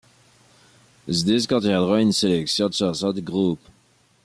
Ce disque contiendra une sélection de chansons du groupe.